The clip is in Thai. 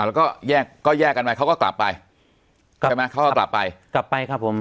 แล้วก็แยกก็แยกกันไปเขาก็กลับไปใช่ไหมเขาก็กลับไปกลับไปครับผม